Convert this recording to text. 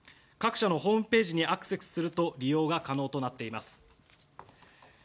各社のホームページにアクセスすると利用が可能となっています。